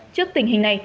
trước tình hình này